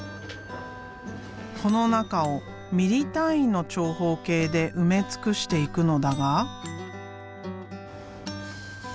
この中をミリ単位の長方形で埋め尽くしていくのだが。